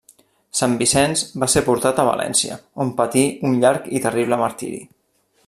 Sant Vicenç va ser portat a València, on patí un llarg i terrible martiri.